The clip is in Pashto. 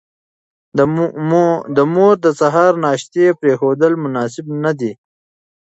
د مور د سهار ناشتې پرېښودل مناسب نه دي.